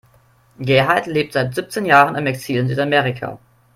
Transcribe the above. Gerhard lebt seit siebzehn Jahren im Exil in Südamerika.